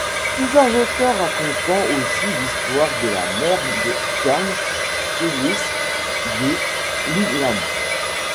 Plusieurs auteurs racontant aussi l'histoire de la mère de Sturm, Illys de Lumlane.